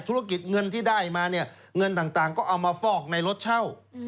ธุรกิจเงินที่ได้มาเนี่ยเงินต่างก็เอามาฟอกในรถเช่า